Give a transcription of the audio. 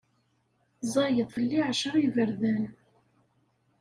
Ẓẓayeḍ fell-i ɛecra iberdan.